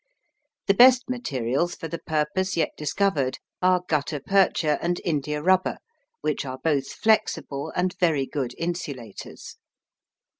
The best materials for the purpose yet discovered are gutta percha and india rubber, which are both flexible and very good insulators.